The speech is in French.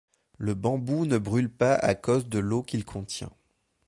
Le bambou ne brûle pas à cause de l'eau qu'il contient.